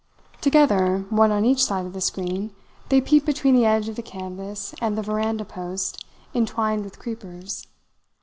Together, one on each side of the screen, they peeped between the edge of the canvas and the veranda post entwined with creepers.